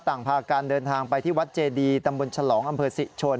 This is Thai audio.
ต่างพาการเดินทางไปที่วัดเจดีตำบลฉลองอำเภอศรีชน